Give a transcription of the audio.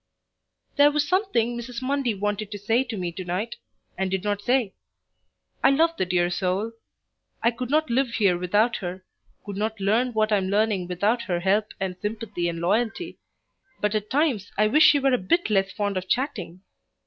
There was something Mrs. Mundy wanted to say to me to night, and did not say. I love the dear soul. I could not live here without her, could not learn what I am learning without her help and sympathy and loyalty, but at times I wish she were a bit less fond of chatting.